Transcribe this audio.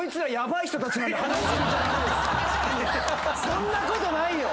そんなことないよ！